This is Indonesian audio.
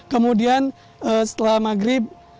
kemudian setelah maghrib